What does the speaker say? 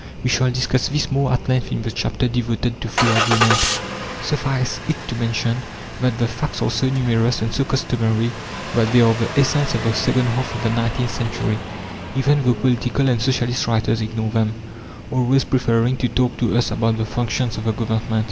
We shall discuss this more at length in the chapter devoted to Free Agreement. Suffice it to mention that the facts are so numerous and so customary that they are the essence of the second half of the nineteenth century, even though political and socialist writers ignore them, always preferring to talk to us about the functions of the Government.